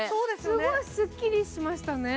すごいすっきりしましたね。